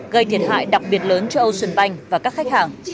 gây thiệt hại đặc biệt lớn cho ocean bank và các khách hàng